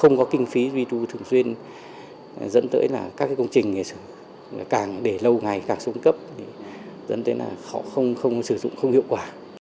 không có kinh phí duy tru thường xuyên dẫn tới là các công trình càng để lâu ngày càng sống cấp dẫn tới là không sử dụng không hiệu quả